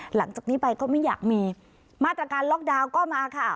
หลังจากนี้ไปก็ไม่อยากมีมาตรการล็อกดาวน์ก็มาค่ะ